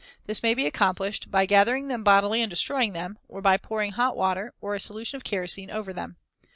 This may be accomplished by gathering them bodily and destroying them, or by pouring hot water or a solution of kerosene over them.